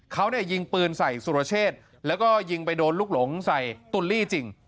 เขาเนี่ยยิงปืนใส่สุรเชษแล้วก็ยิงไปโดนลูกหลงใส่ตุลลี่จริง